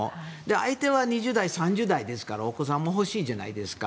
相手は２０代、３０代ですからお子さんも欲しいじゃないですか。